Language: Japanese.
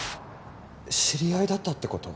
知り合いだったってこと？